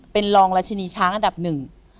เป็นรองราชินีช้างอันดับหนึ่ง